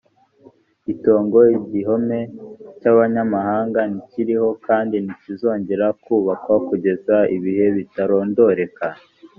itongo igihome cy abanyamahanga ntikikiriho kandi ntikizongera kubakwa kugeza ibihe bitarondoreka